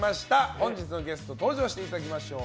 本日のゲスト登場していただきましょう。